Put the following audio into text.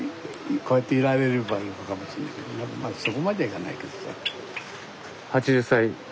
こうやっていられればいいのかもしんないけどまだそこまでじゃないけどさ。